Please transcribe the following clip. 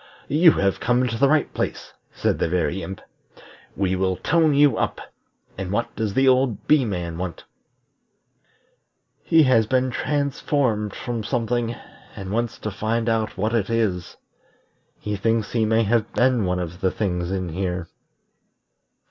"You have come to the right place," said the Very Imp. "We will tone you up. And what does that old Bee man want?" "He has been transformed from something, and wants to find out what it is. He thinks he may have been one of the things in here."